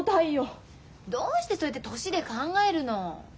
どうしてそうやって年で考えるの？